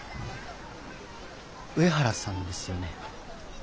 上原さんですね？